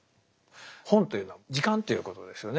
本というのは時間ということですよね